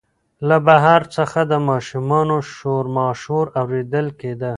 له بهر څخه د ماشومانو شورماشور اورېدل کېده.